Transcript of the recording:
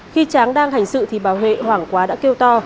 khi tráng đang hành sự thì bà huệ hoảng quá đã kêu to